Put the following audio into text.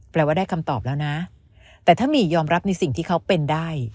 แปลว่าได้คำตอบแล้วนะแต่ถ้ามียอมรับในสิ่งที่เขาเป็นได้